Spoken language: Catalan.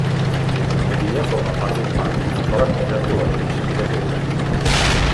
Avui dia forma part d'un parc amb elements arqueològics i de lleure.